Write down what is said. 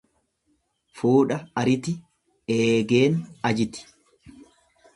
Fuudha ariti eegeen ajiti.